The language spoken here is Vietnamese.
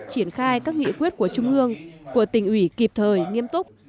triển khai các nghị quyết của trung ương của tỉnh ủy kịp thời nghiêm túc